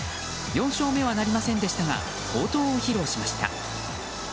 ４勝目はなりませんでしたが好投を披露しました。